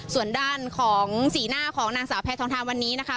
ส่วนด้านของสีหน้าของนางสาวแพทองทานวันนี้นะคะ